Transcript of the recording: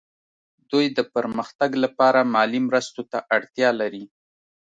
دوی د پرمختګ لپاره مالي مرستو ته اړتیا لري